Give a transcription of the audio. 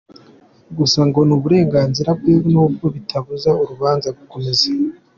Gusa ngo ni uburenganzira bwe nubwo bitabuza urubanza gukomeza.